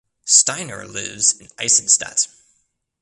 Steiner lives in Eisenstadt.